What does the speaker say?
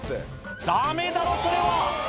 ダメだろそれは！